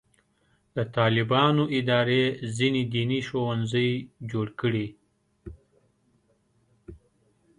د طالبانو اداره ځینې دیني ښوونځي جوړ کړي.